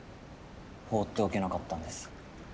放っておけなかったんです。